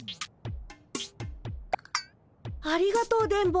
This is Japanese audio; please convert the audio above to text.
ありがとう電ボ。